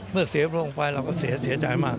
เมื่อเสียพระองค์ไปเราก็เสียเอาเสียใจมาก